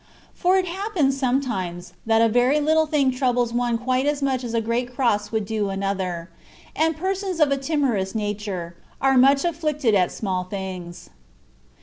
For it happens some times, that a very Httle thing troubles one quite as much as a great cross would do another ; aiJd persons of a timorous nature, are much afflicted at small things.